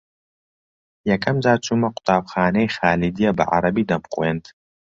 یەکەم جار چوومە قوتابخانەی خالیدیە بە عەرەبی دەمخوێند